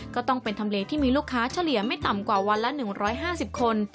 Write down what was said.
ก็ต้องเป็นทำเลที่มีลูกค้าเฉลี่ยไม่ต่ำกว่าวันละ๑๕๐คน